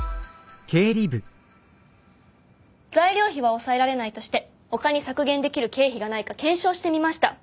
材料費は抑えられないとしてほかに削減できる経費がないか検証してみました。